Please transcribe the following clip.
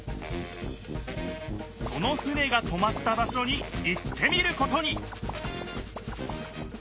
その船がとまった場所に行ってみることに！